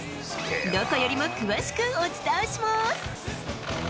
どこよりも詳しくお伝えします。